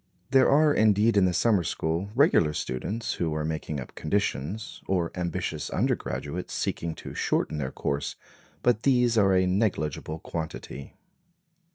There are indeed in the summer school regular students who are making up conditions, or ambitious undergraduates seeking to shorten their course; but these are a negligible quantity.